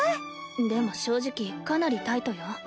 でも正直かなりタイトよ。